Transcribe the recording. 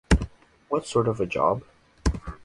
What sort of a job?